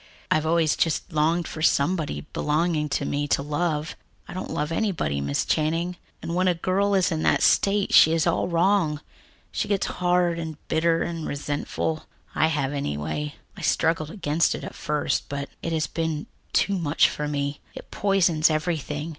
"I've always just longed for somebody belonging to me to love. I don't love anybody, Miss Channing, and when a girl is in that state, she is all wrong. She gets hard and bitter and resentful I have, anyway. I struggled against it at first, but it has been too much for me. It poisons everything.